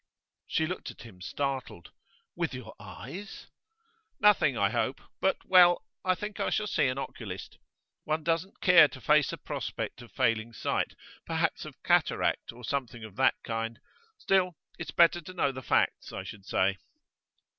She looked at him, startled. 'With your eyes?' 'Nothing, I hope; but well, I think I shall see an oculist. One doesn't care to face a prospect of failing sight, perhaps of cataract, or something of that kind; still, it's better to know the facts, I should say.